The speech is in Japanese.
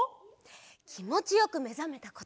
きもちよくめざめたこと。